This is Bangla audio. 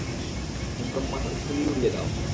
একদম মাথার খুলিয়ে উড়িয়ে দাও।